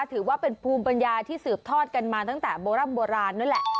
ถือว่าเป็นภูมิปัญญาที่สืบทอดกันมาตั้งแต่โบร่ำโบราณนั่นแหละ